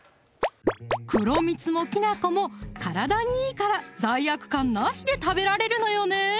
黒蜜もきな粉も体にいいから罪悪感なしで食べられるのよね